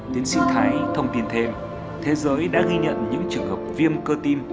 tiến sĩ thái thông tin thêm thế giới đã ghi nhận những trường hợp viêm cơ tim